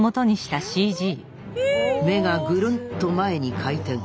目がグルンと前に回転！